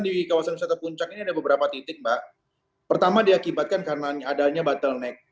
jadi di kawasan wisata puncak ini ada beberapa titik mbak pertama diakibatkan karena adanya bottleneck